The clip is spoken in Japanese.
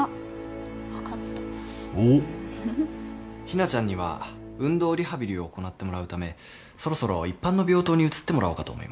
日菜ちゃんには運動リハビリを行ってもらうためそろそろ一般の病棟に移ってもらおうかと思います。